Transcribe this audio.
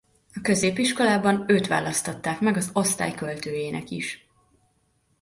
A középiskolában őt választották meg az osztály költőjének is.